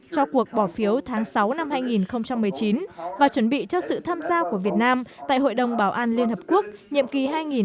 cho cuộc bỏ phiếu tháng sáu năm hai nghìn một mươi chín và chuẩn bị cho sự tham gia của việt nam tại hội đồng bảo an liên hợp quốc nhiệm kỳ hai nghìn hai mươi hai nghìn hai mươi một